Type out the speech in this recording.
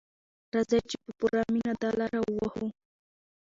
راځئ چې په پوره مینه دا لاره ووهو.